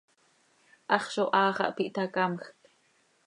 ¡Hax zo haa xah piih ta, camjc!